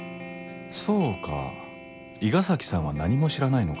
そうか伊賀崎さんは何も知らないのか